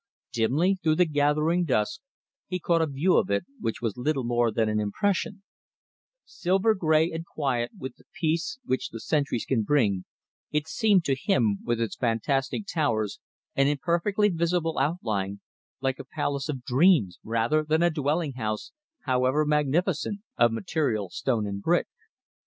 Dimly, through the gathering dusk, he caught a view of it, which was little more than an impression; silver grey and quiet with the peace which the centuries can bring, it seemed to him, with its fantastic towers, and imperfectly visible outline, like a palace of dreams rather than a dwelling house, however magnificent, of material stone and brick.